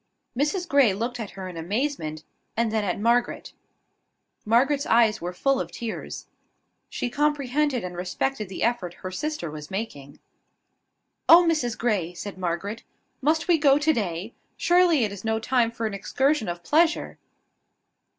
Mrs Grey looked at her in amazement, and then at Margaret. Margaret's eyes were full of tears. She comprehended and respected the effort her sister was making. "Oh, Mrs Grey!" said Margaret, "must we go to day? Surely it is no time for an excursion of pleasure."